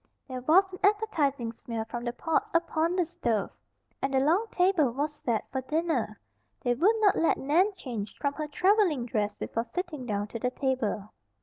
There was an appetizing smell from the pots upon the stove, and the long table was set for dinner. They would not let Nan change from her traveling dress before sitting down to the table.